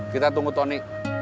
kita tunggu tony